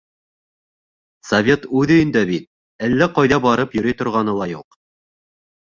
Совет үҙ өйөңдә бит, әллә ҡайҙа барып йөрөй торғаны ла юҡ.